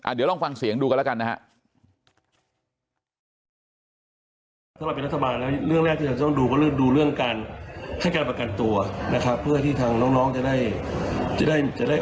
เดี๋ยวลองฟังเสียงดูกันแล้วกันนะครับ